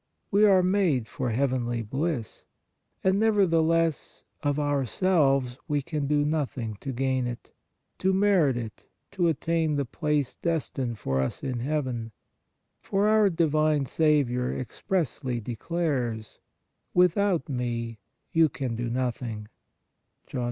We are made for heavenly bliss, and nevertheless, of ourselves we can do nothing to gain it, to merit it, to attain the place destined for us in Heaven, for our divine Saviour expressly declares :" Without Me you can do nothing" (John 15.